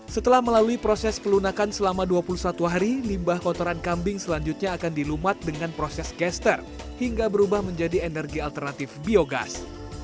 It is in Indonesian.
setelah melalui proses pelunakan selama dua puluh satu hari limbah kotoran kambing selanjutnya akan dilumat dengan proses caster hingga berubah menjadi energi alternatif biogas